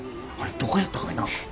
あれどこやったかいな。